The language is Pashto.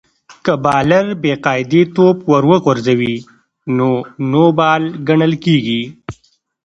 که بالر بې قاعدې توپ ور وغورځوي؛ نو نو بال ګڼل کیږي.